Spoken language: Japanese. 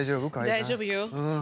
大丈夫よ。